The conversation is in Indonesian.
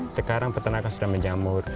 sekarang peternakan sudah menjamur